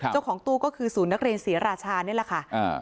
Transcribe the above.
เจ้าของตู้ก็คือศูนย์นักเรียนศรีราชานี่แหละค่ะ